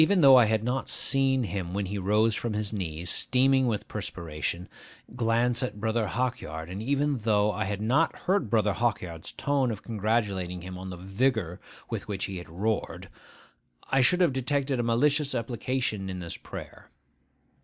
Even though I had not seen him when he rose from his knees, steaming with perspiration, glance at Brother Hawkyard, and even though I had not heard Brother Hawkyard's tone of congratulating him on the vigour with which he had roared, I should have detected a malicious application in this prayer.